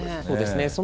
そうですね。